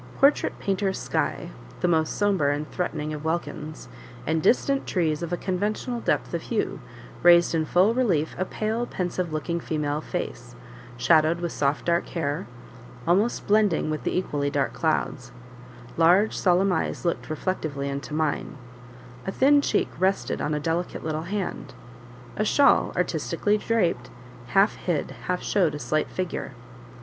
A portrait painter's sky (the most sombre and threatening of welkins), and distant trees of a conventional depth of hue, raised in full relief a pale, pensive looking female face, shadowed with soft dark hair, almost blending with the equally dark clouds; large, solemn eyes looked reflectively into mine; a thin cheek rested on a delicate little hand; a shawl, artistically draped, half hid, half showed a slight figure.